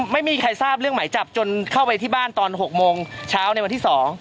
ไม่มีใครทราบเรื่องหมายจับจนเข้าไปที่บ้านตอน๖โมงเช้าในวันที่๒